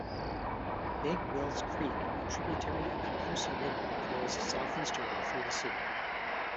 Big Wills Creek, a tributary of the Coosa River, flows southeasterly through the city.